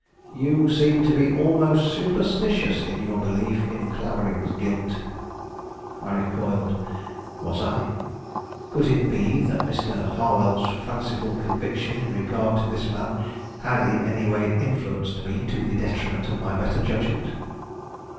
"You seem to be almost superstitious in your belief in Clavering's guilt." I recoiled. Was I? Could it be that Mr. Harwell's fanciful conviction in regard to this man had in any way influenced me to the detriment of my better judgment?